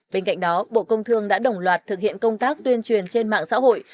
bên cạnh đó bộ công thương đã đồng loạt thực hiện công tác tuyên truyền trên mạng xã hội